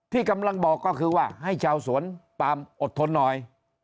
ที่กำลังบอกก็คือว่าให้ชาวสวนปามอดทนหน่อย